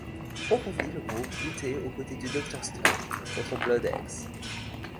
On revit le groupe lutter aux côtés du Docteur Strange contre Bloodaxe.